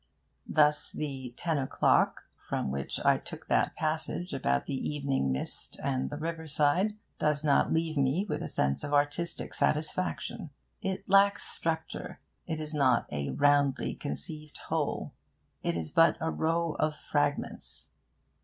Thus the 'Ten o'Clock,' from which I took that passage about the evening mist and the riverside, does not leave me with a sense of artistic satisfaction. It lacks structure. It is not a roundly conceived whole: it is but a row of fragments.